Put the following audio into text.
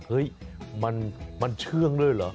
เฮ้ยมันเชื่องด้วยเหรอ